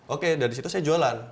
oke dari situ saya jualan